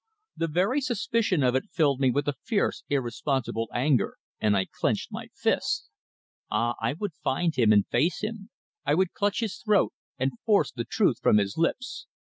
The very suspicion of it filled me with a fierce irresponsible anger, and I clenched my fists. Ah! I would find him and face him. I would clutch his throat and force the truth from his lips.